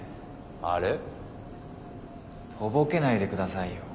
「あれ」？とぼけないで下さいよ。